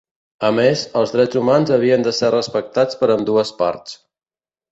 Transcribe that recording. A més, els drets humans havien de ser respectats per ambdues parts.